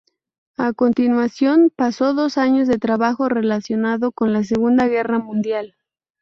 A continuación pasó dos años de trabajo relacionado con la Segunda Guerra Mundial.